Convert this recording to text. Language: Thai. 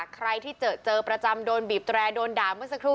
ใครที่เจอเจอประจำโดนบีบแตรโดนด่าเมื่อสักครู่